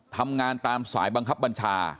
ทำงานตามสายบังคับบัญชา